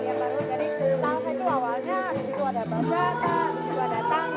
jadi salsa itu awalnya ada bau jatah juga ada tanggung